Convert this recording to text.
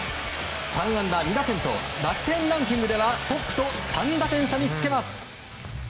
３安打２打点と打点ランキングではトップと３打点差につけます。